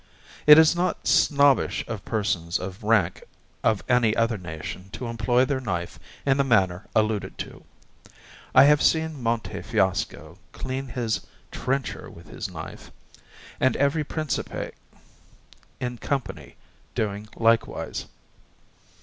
It is not snobbish of persons of rank of any other nation to employ their knife in the manner alluded to. I have seen Monte Fiasco clean his trencher with his knife, and every Principe in company doing likewise.